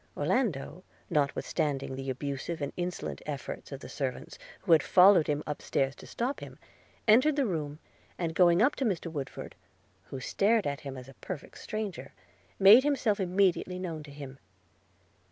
Orlando, notwithstanding the abusive and insolent efforts of the servants, who had followed him up stairs to stop him, entered the room, and going up to Mr. Woodford, who stared at him as a perfect stranger, made himself immediately known to him.